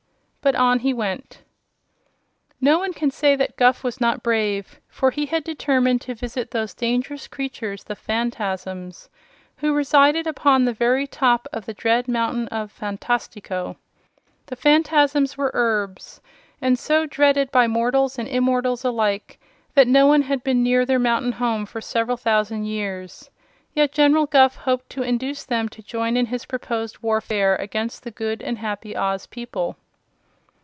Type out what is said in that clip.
But on he went. No one can say that Guph was not brave, for he had determined to visit those dangerous creatures the Phanfasms, who resided upon the very top of the dread Mountain of Phantastico. The Phanfasms were Erbs, and so dreaded by mortals and immortals alike that no one had been near their mountain home for several thousand years. Yet General Guph hoped to induce them to join in his proposed warfare against the good and happy Oz people.